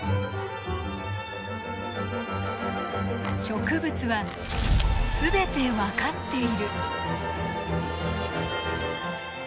植物は全て分かっている。